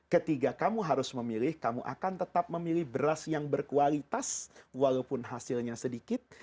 ketika kamu harus memilih kamu akan tetap memilih beras yang berkualitas walaupun hasilnya sedikit